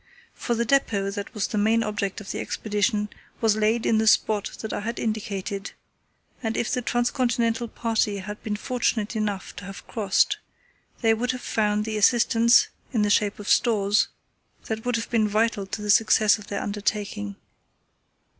For the depot that was the main object of the Expedition was laid in the spot that I had indicated, and if the transcontinental party had been fortunate enough to have crossed they would have found the assistance, in the shape of stores, that would have been vital to the success of their undertaking.